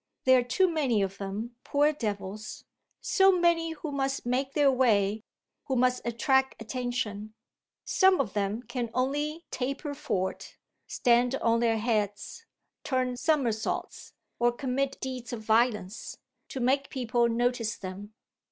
There are too many of them, poor devils; so many who must make their way, who must attract attention. Some of them can only taper fort, stand on their heads, turn somersaults or commit deeds of violence, to make people notice them.